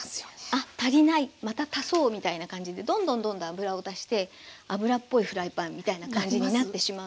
あ足りないまた足そうみたいな感じでどんどんどんどん油を足して油っぽいフライパンみたいな感じになってしまうんですけど。